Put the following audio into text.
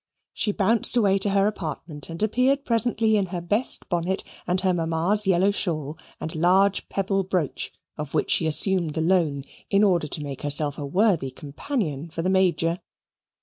She bounced away to her apartment and appeared presently in her best bonnet and her mamma's yellow shawl and large pebble brooch, of which she assumed the loan in order to make herself a worthy companion for the Major.